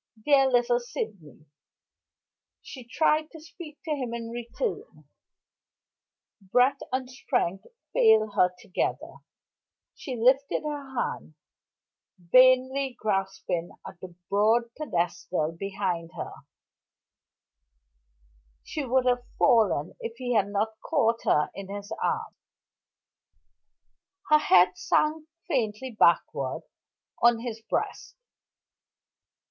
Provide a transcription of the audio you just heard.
"Dear little Sydney!" She tried to speak to him in return. Breath and strength failed her together; she lifted her hand, vainly grasping at the broad pedestal behind her; she would have fallen if he had not caught her in his arms. Her head sank faintly backward on his breast.